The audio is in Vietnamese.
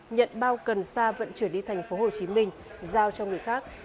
nhận bao cần sa vận chuyển đi thành phố hồ chí minh giao cho người khác